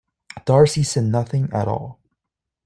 Darcy said nothing at all.